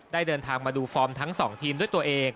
เดินทางมาดูฟอร์มทั้ง๒ทีมด้วยตัวเอง